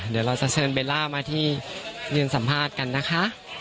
เดี๋ยวเราจะเชิญเบลล่ามาที่ยืนสัมภาษณ์กันนะคะ